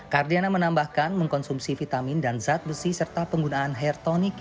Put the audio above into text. kardiana menambahkan mengkonsumsi vitamin dan zat besi serta penggunaan hair tonic